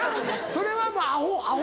それはもうアホアホ。